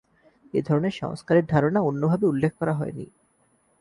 এ ধরনের সংস্কারের ধারণা অন্যভাবে উল্লেখ করা হয়নি।